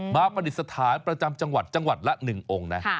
มาประดิษฐานประจำจังหวัดจังหวัดละหนึ่งองค์